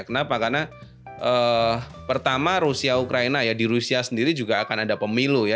kenapa karena pertama rusia ukraina ya di rusia sendiri juga akan ada pemilu ya